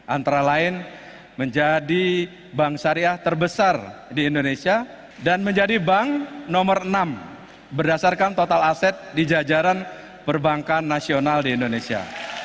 antara lain menjadi bank syariah terbesar di indonesia dan menjadi bank nomor enam berdasarkan total aset di jajaran perbankan nasional di indonesia